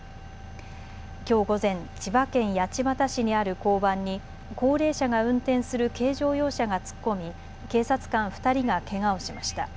きょう午前、千葉県八街市にある交番に高齢者が運転する軽乗用車が突っ込み、警察官２人がけがをしました。